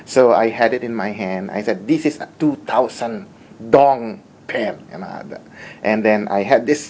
với hành trình này nhé